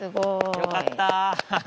よかった。